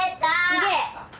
・すげえ！